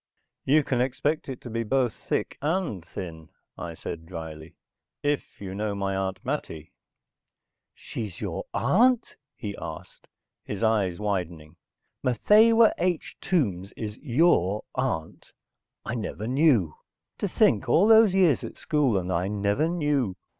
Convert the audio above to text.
"You can expect it to be both thick and thin," I said drily. "If you know my Aunt Mattie." "She's your aunt?" he asked, his eyes widening. "Matthewa H. Tombs is your aunt. I never knew. To think, all those years at school, and I never knew.